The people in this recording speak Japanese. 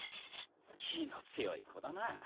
気の強い子だなぁ。